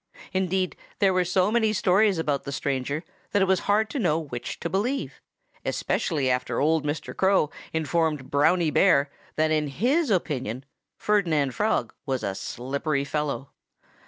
Indeed, there were so many stories about the stranger that it was hard to know which to believe especially after old Mr. Crow informed Brownie Beaver that in his opinion Ferdinand Frog was a slippery fellow.